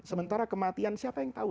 sementara kematian siapa yang tahu